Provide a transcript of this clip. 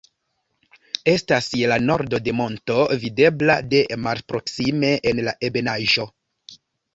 Estas je la nordo de monto videbla de malproksime en la ebenaĵo.